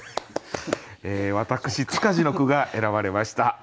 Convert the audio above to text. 私塚地の句が選ばれました。